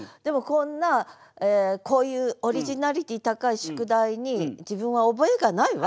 こんなこういうオリジナリティー高い宿題に自分は覚えがないわと。